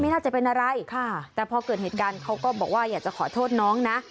น่าจะเป็นอะไรแต่พอเกิดเหตุการณ์เขาก็บอกว่าอยากจะขอโทษน้องนะ